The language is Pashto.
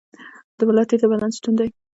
د ملا تیر د بدن ستون دی